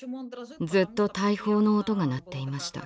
ずっと大砲の音が鳴っていました。